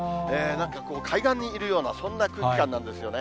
なんか海岸にいるような、そんな空気感なんですよね。